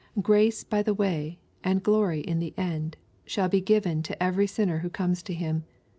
Grace by the way, and glory in the end, shall be given to every sinner who comes to Him.